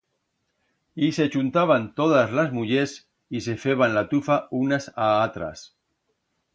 Y se chuntaban todas las mullers y se feban la tufa unas a atras.